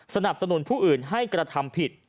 สนับสนุนผู้อื่นให้กระทำผิด